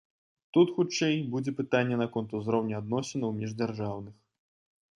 Тут, хутчэй, будзе пытанне наконт узроўню адносінаў міждзяржаўных.